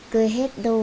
cứ hết đồ